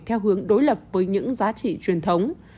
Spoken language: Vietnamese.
theo hướng đối lập với những giá trị truyền thống